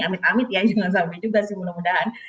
amit amit ya jangan sampai juga sih mudah mudahan